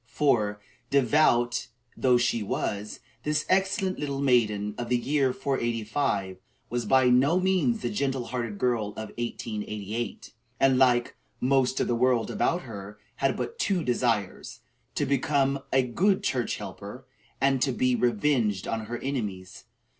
For, devout and good though she was, this excellent little maiden of the year 485 was by no means the gentle hearted girl of 1888, and, like most of the world about her, had but two desires: to become a good church helper, and to be revenged on her enemies.